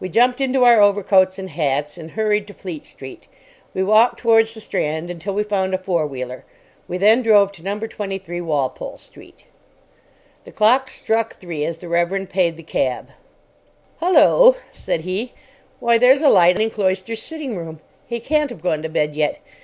We jumped into our overcoats and hats, and hurried to Fleet Street. We walked towards the Strand until we found a four wheeler. We then drove to No. 23, Walpole Street. The clocks struck three as the Reverend paid the cab. "Hullo!" said he. "Why, there's a light in Cloyster's sitting room. He can't have gone to bed yet.